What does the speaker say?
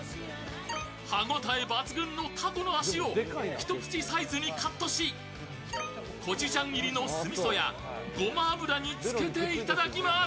歯応え抜群のタコの足を一口サイズにカットしコチュジャン入りの酢みそやごま油につけていただきます。